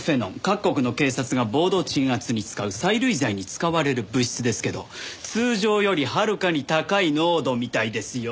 各国の警察が暴動鎮圧に使う催涙剤に使われる物質ですけど通常よりはるかに高い濃度みたいですよ。